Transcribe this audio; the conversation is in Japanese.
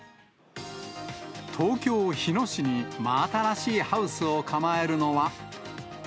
東京・日野市に真新しいハウスを構えるのは。